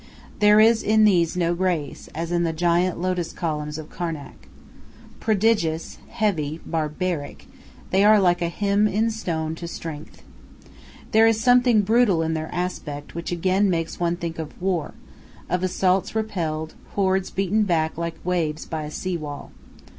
There is in these no grace, as in the giant lotus columns of Karnak. Prodigious, heavy, barbaric, they are like a hymn in stone to Strength. There is something brutal in their aspect, which again makes one think of war, of assaults repelled, hordes beaten back like waves by a sea wall.